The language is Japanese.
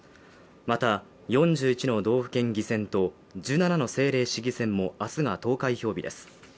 また、４１の道府県議選と１７の政令市議選も明日が投開票日です。